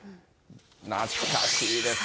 懐かしいですね。